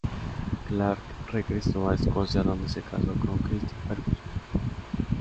Clark regresó a Escocia donde se casó con Christine Ferguson.